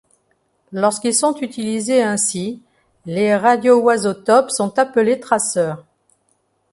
Lorsqu'ils sont utilisés ainsi les radioisotopes sont appelés traceurs.